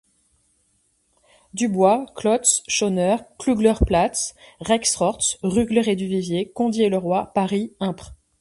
Dubois, Klotz, Schonneur, Kugler-Platz, Rexrortz, Rügler et Duvivier, Condy et Leroy, Paris, impr.